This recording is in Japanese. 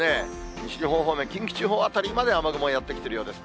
西日本方面、近畿地方辺りまで雨雲やって来てるようです。